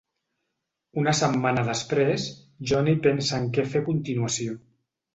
Una setmana després, Johnny pensa en què fer a continuació.